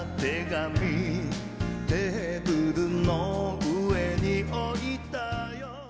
「テーブルの上に置いたよ」